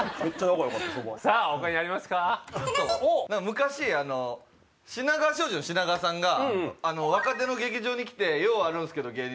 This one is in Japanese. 昔品川庄司の品川さんが若手の劇場に来てようあるんですけど芸人で。